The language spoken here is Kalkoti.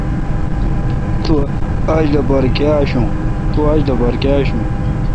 تو آج لوپار کاں آشو۔